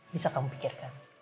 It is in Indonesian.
bisa kamu pikirkan